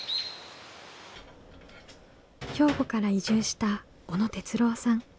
兵庫から移住した小野哲郎さん。